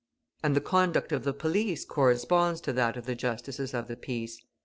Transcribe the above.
And the conduct of the police corresponds to that of the Justices of the Peace.